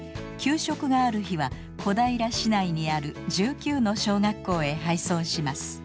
給食がある日は小平市内にある１９の小学校へ配送します。